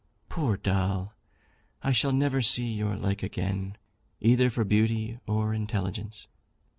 Poor Doll! I shall never see your like again, either for beauty or intelligence.